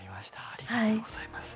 ありがとうございます。